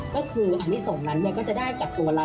ก็คืออันนี้ส่งนั้นก็จะได้กับตัวเรา